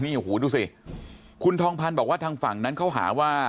โอ้โหดูสิคุณทองพันธ์บอกว่าทางฝั่งนั้นเขาหาว่า